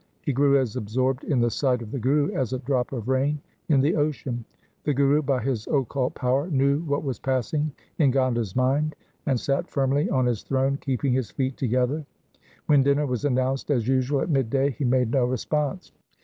He grew as absorbed in the sight of the Guru as a drop of rain in the ocean. The Guru by his occult power knew what was passing in Gonda's mind, and sat firmly on his throne keeping his feet together. When dinner was announced, as usual at mid day, he made no response.